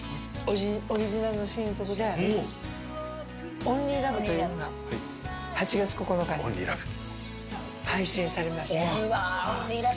オリジナルの新曲で『ｏｎｌｙｌｏｖｅ』というのが８月９日に配信されました。